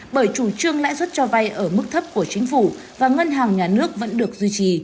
bởi chủ trương lãi suất cho vay ở mức thấp của chính phủ và ngân hàng nhà nước vẫn được duy trì